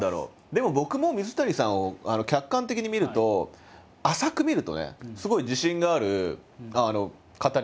でも僕も水谷さんを客観的に見ると浅く見るとねすごい自信がある方に見えるんですよ。